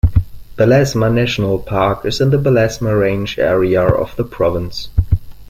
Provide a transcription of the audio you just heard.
Belezma National Park is in the Belezma Range area of the province.